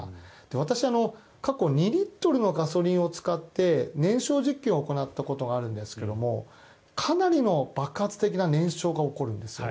私、過去２リットルのガソリンを使って燃焼実験を行ったことがあるんですがかなりの爆発的な燃焼がおこるんです。